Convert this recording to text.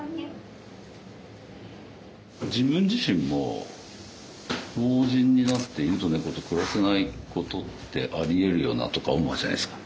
自分自身も老人になって犬と猫と暮らせないことってありえるよなとか思うじゃないですか。